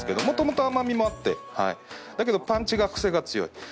もともと甘味もあってだけどパンチが癖が強い。